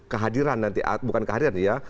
kehadiran bukan kehadiran ya